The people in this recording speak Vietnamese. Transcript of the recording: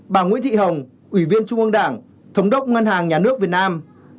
bà nguyễn thị hồng ủy viên trung ương đảng thống đốc ngân hàng nhà nước việt nam